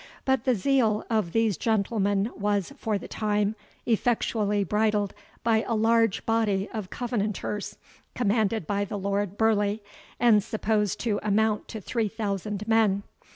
But the zeal of these gentlemen was, for the time, effectually bridled by a large body of Covenanters, commanded by the Lord Burleigh, and supposed to amount to three thousand men.